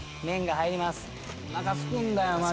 おなかすくんだよマジで。